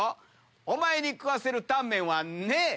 お前に食わせるタンメンはねえ！